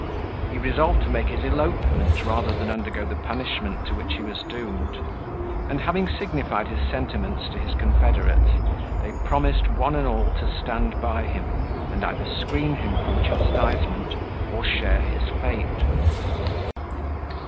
He resolved to make his elopement rather than undergo the punishment to which he was doomed; and having signified his sentiments to his confederates, they promised one and all to stand by him, and either screen him from chastisement or share his fate.